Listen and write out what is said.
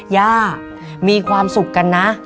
ย่ามีความสุขกันนะ